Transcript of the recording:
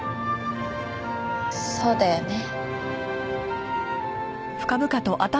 そうだよね。